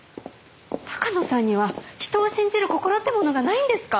鷹野さんには人を信じる心ってものがないんですか？